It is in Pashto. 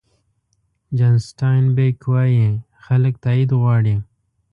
جان سټاین بېک وایي خلک تایید غواړي.